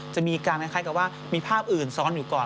จะมีการคล้ายกับว่ามีภาพอื่นซ้อนอยู่ก่อน